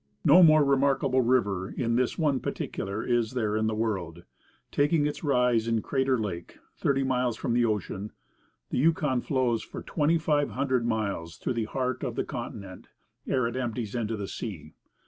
No more remarkable river in this one particular is there in the world; taking its rise in Crater Lake, thirty miles from the ocean, the Yukon flows for twenty five hundred miles, through the heart of the continent, ere it empties into the sea.